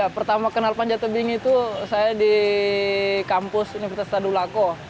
pertama kenal panjat tebing itu saya di kampus universitas tadulako